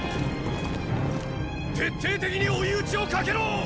徹底的に追い討ちをかけろ！